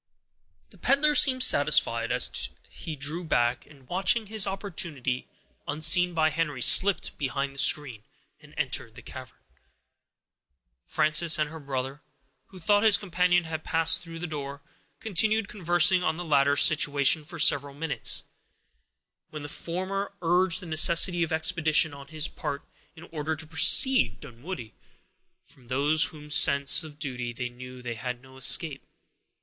The peddler seemed satisfied; for he drew back, and, watching his opportunity, unseen by Henry, slipped behind the screen, and entered the cavern. Frances and her brother, who thought his companion had passed through the door, continued conversing on the latter's situation for several minutes, when the former urged the necessity of expedition on his part, in order to precede Dunwoodie, from whose sense of duty they knew they had no escape.